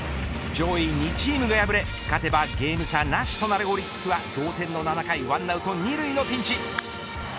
上位２チームが敗れ勝てばゲーム差なしとなるオリックスは同点の７回１アウト２塁のピンチ